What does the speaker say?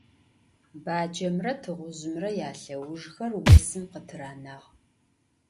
Bacemre tığuzjımre yalheujjxer vosım khıtıranağ.